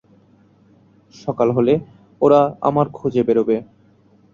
সকাল হলে, ওরা আমার খোঁজে বেরোবে।